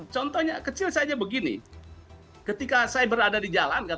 contohnya ketika saya berada di jalan